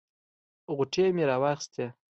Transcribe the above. غوټې مې راواخیستې.